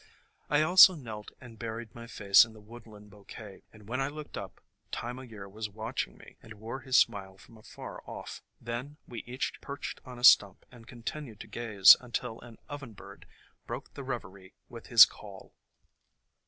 I also knelt and buried my face in the woodland bouquet, and when I looked up Time o' Year was watching me and wore his smile from afar off ; then we each perched on a stump and continued to gaze until an ovenbird broke the reverie with his call.